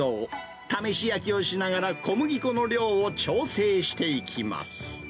試し焼きをしながら、小麦粉の量を調整していきます。